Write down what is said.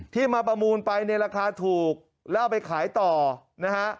มาประมูลไปในราคาถูกแล้วเอาไปขายต่อนะฮะ